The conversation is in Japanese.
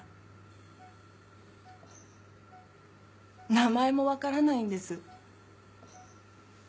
名前も分からないんです。